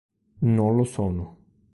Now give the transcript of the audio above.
Non lo sono.